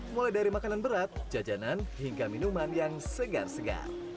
mulai dari makanan berat jajanan hingga minuman yang segar segar